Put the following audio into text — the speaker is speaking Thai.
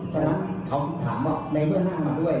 ฉะนั้นคำถามว่าในเมื่อนั่งมาด้วย